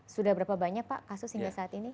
sudah berapa banyak pak kasus hingga saat ini